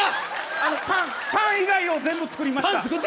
あのパン以外を全部作りました。